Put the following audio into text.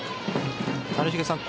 谷繁さん